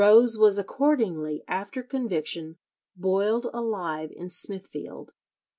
Rose was accordingly, after conviction, boiled alive in Smithfield.